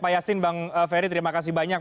pak yasin bang ferry terima kasih banyak